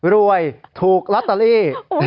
รวยถูกลอตเตอรี่